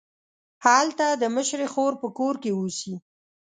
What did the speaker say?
هلته د مشرې خور په کور کې اوسي.